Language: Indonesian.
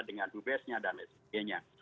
dengan dan lain sebagainya